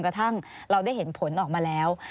กระทั่งเราได้เห็นผลออกมาแล้ว